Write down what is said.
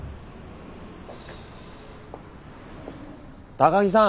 高木さん。